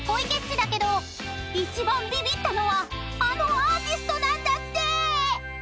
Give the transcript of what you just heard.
ちだけど一番ビビったのはあのアーティストなんだって！］